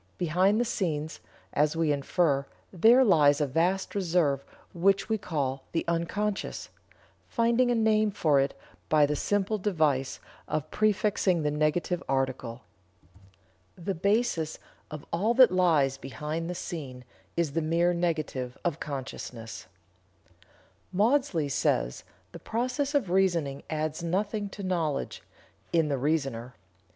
Behind the scenes, as we infer, there lies a vast reserve which we call 'the unconscious,' finding a name for it by the simple device of prefixing the negative article. The basis of all that lies behind the scene is the mere negative of consciousness." Maudsley says: "The process of reasoning adds nothing to knowledge (in the reasoner).